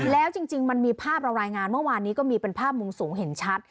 แล้วจริงมันมีภาพเรารายงานเมื่อวานนี้ก็มีเป็นภาพมุมสูงเห็นชัด